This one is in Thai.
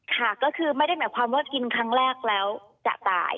ค่ะก็คือไม่ได้หมายความว่ากินครั้งแรกแล้วจะตาย